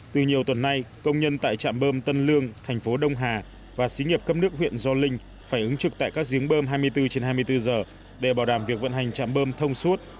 từ nhiều tuần nay công nhân tại trạm bơm tân lương thành phố đông hà và xí nghiệp cấp nước huyện gio linh phải ứng trực tại các giếng bơm hai mươi bốn trên hai mươi bốn giờ để bảo đảm việc vận hành trạm bơm thông suốt